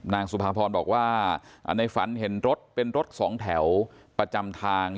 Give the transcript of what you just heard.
สุภาพรบอกว่าในฝันเห็นรถเป็นรถสองแถวประจำทาง